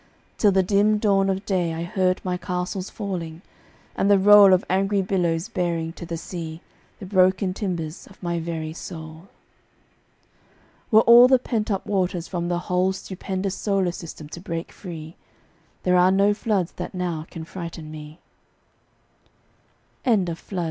Till the dim dawn of day I heard my castles falling, and the roll Of angry billows bearing to the sea The broken timbers of my very soul. Were all the pent up waters from the whole Stupendous solar system to break free, There are no floods that now can frighten me. A FABLE.